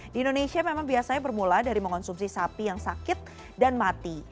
di indonesia memang biasanya bermula dari mengonsumsi sapi yang sakit dan mati